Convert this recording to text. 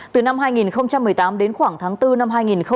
từ năm hai nghìn một mươi tám đến khoảng tháng bốn năm hai nghìn một mươi chín